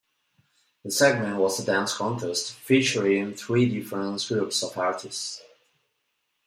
The segment was a dance contest featuring three different groups of artists.